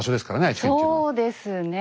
そうですねえ。